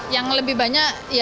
yang lebih banyak ya